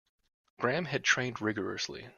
Graham had trained rigourously.